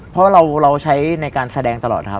เพราะเราใช้ในการแสดงตลอดครับ